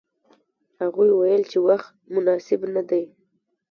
هغوی ویل چې وخت مناسب نه دی.